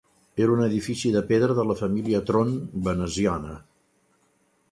Era un edifici de pedra de la família Tron veneciana.